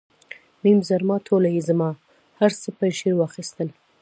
میم زرما ټوله یې زما، هر څه پنجشیر واخیستل.